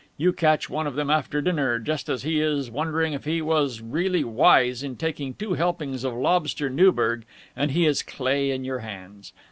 You catch one of them after dinner, just as he is wondering if he was really wise in taking two helpings of the lobster Newburg, and he is clay in your hands.